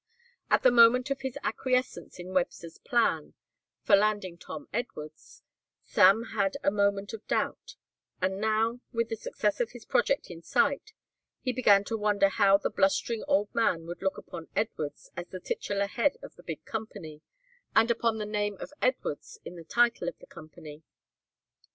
At the moment of his acquiescence in Webster's plan, for landing Tom Edwards, Sam had a moment of doubt, and now, with the success of his project in sight, he began to wonder how the blustering old man would look upon Edwards as the titular head of the big company and upon the name of Edwards in the title of the company.